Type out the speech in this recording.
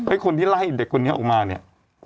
คนที่ไล่เด็กคนนี้ออกมาเนี่ย